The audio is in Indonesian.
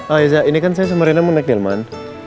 ah ya zek ini kan saya sama rena mau naik delman